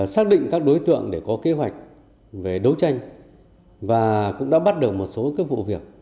xác định các đối tượng để có kế hoạch về đấu tranh và cũng đã bắt được một số vụ việc